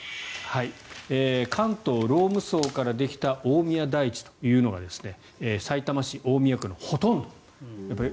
関東ローム層からできた大宮台地というのがさいたま市大宮区のほとんどのところ。